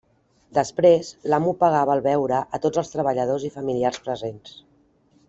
Després, l'amo pagava el beure a tots els treballadors i familiars presents.